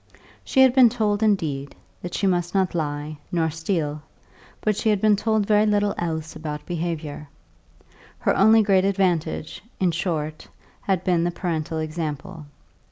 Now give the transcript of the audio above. She had been told, indeed, that she must not lie nor steal; but she had been told very little else about behaviour; her only great advantage, in short, had been the parental example.